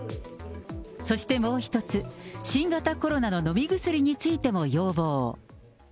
そしてもう１つ、新型コロナの飲み薬についても要望。